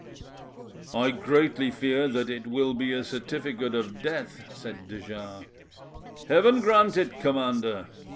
"I greatly fear that it will be a certificate of death," said de Jars. "Heaven grant it, commander!